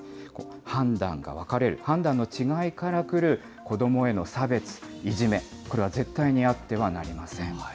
判断が分かれる、判断の違いからくる子どもへの差別、いじめ、これは絶対にあってはなりません。